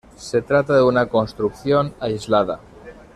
Se trata de una construcción aislada.